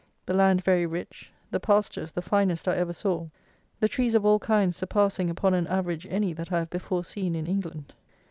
The land very rich, the pastures the finest I ever saw, the trees of all kinds surpassing upon an average any that I have before seen in England.